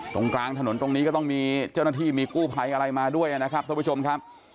ตรงกลางถนนตรงนี้ก็ต้องมีเจ้าหน้าที่มีกู้ภัยอะไรมาด้วยนะครับท่านผู้ชมครับ